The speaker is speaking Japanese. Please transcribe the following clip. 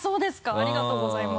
ありがとうございます。